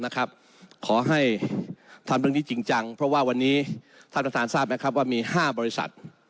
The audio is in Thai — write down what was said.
ขอให้ทำเรื่องนี้จริงจังเพราะว่าวันนี้ท่านประธานทราบไหมครับว่ามี๕บริษัท